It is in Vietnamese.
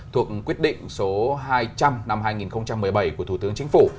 thuộc quyết định số hai trăm linh năm hai nghìn một mươi bảy của thủ tướng chính phủ